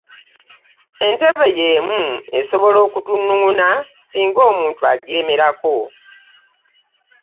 Naye entebe y'emu esobola okutungununa singa omuntu agiremerako.